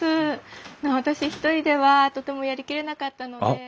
私一人ではとてもやりきれなかったので。